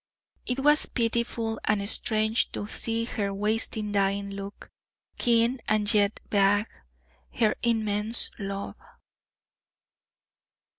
It was pitiful and strange to see her wasting dying look, keen and yet vague her immense love.